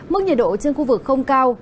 mức nhiệt độ trên khu vực không cao